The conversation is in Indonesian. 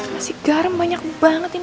masih garam banyak banget